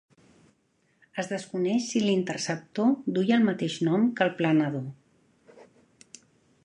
Es desconeix si l'interceptor duia el mateix nom que el planador.